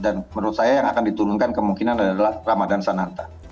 dan menurut saya yang akan diturunkan kemungkinan adalah ramadhan sananta